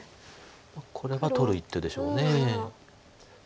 これは取る一手でしょう。